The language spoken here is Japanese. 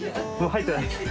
入ってないです。